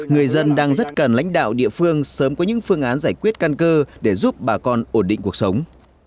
người dân đang rất cần lãnh đạo địa phương sớm có những phương án giải quyết căn cơ để giúp bà con ổn định cuộc sống